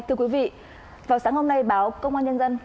thưa quý vị vào sáng hôm nay báo công an nhân dân